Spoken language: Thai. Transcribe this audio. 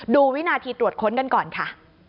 วินาทีตรวจค้นกันก่อนค่ะ